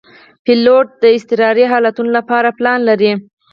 پیلوټ د اضطراري حالتونو لپاره پلان لري.